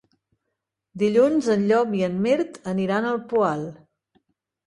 Dilluns en Llop i en Mirt aniran al Poal.